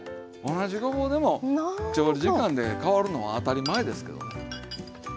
同じごぼうでも調理時間で変わるのは当たり前ですけどね。